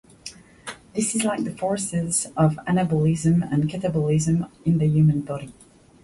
This is like the forces of anabolism and catabolism in the human body.